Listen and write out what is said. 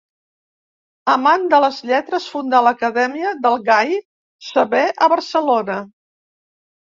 Amant de les lletres fundà l'acadèmia del gai saber a Barcelona.